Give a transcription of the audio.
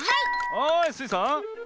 はいスイさん。